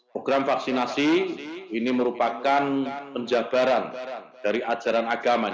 program vaksinasi ini merupakan penjabaran dari ajaran agama